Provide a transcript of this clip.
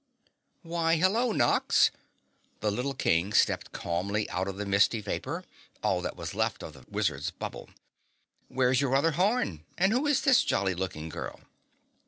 "Why, hello Nox!" The Little King stepped calmly out of the misty vapor, all that was left of the wizard's bubble. "Where's your other horn? And who is this jolly looking girl?"